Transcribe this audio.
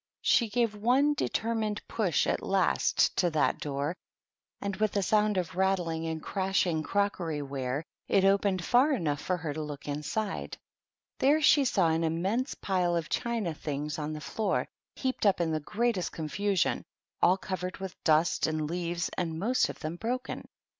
She gave one de termined push at last to that door, and, with a sound of rattling and crashing crockery ware, it opened far enough for her to look inside. There she saw an immense pile of china things on the floor, heaped up in the greatest confusion, all covered with dust and leaves, and most of them broken.